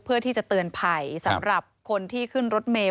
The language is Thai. เพื่อที่จะเตือนภัยสำหรับคนที่ขึ้นรถเมย